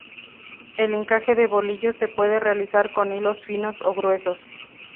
El encaje de bolillos se puede realizar con hilos finos o gruesos.